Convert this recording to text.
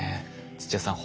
土屋さん